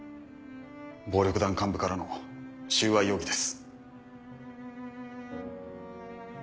暴力団幹部からの収賄容疑です。